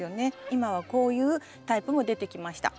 今はこういうタイプも出てきました。